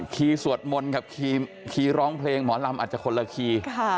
สวดมนต์กับคีย์ร้องเพลงหมอลำอาจจะคนละคีย์